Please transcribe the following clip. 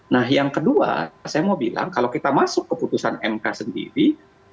nah yang kedua saya mau bilang kalau kita masuk keputusan mk sendiri